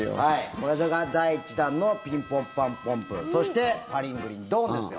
これが第１弾の「ピンポンパンポンプー」そして「パリングリンドーン」ですよ。